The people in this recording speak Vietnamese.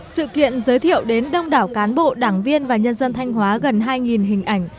sự kiện giới thiệu đến đông đảo cán bộ đảng viên và nhân dân thanh hóa gần hai hình ảnh